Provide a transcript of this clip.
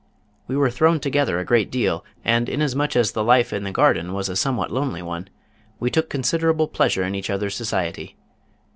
We were thrown together a great deal, and inasmuch as the life in the Garden was a somewhat lonely one, we took considerable pleasure in each other's society.